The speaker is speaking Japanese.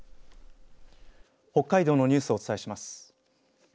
北海道のニュースをお伝えします。